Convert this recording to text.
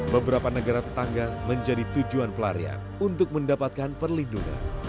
beberapa negara tetangga menjadi tujuan pelarian untuk mendapatkan perlindungan